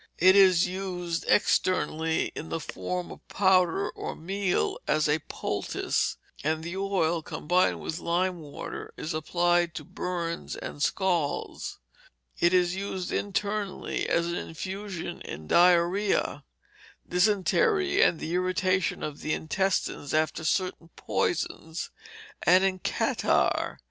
It is used externally, in the form of powder or "meal," as a poultice; and the oil, combined with lime water, is applied to burns and scalds. It is used internally as an infusion in diarrhoea, dysentery, and irritation of the intestines after certain poisons, and in catarrh.